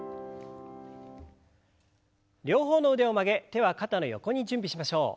両方の腕を曲げ手は肩の横に準備しましょう。